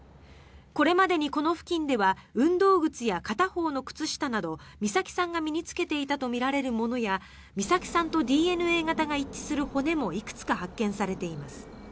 これまでにこの付近では運動靴や片方の靴下など美咲さんが身に着けていたとみられるものや美咲さんとＤＮＡ型が一致する骨もいくつか発見されています。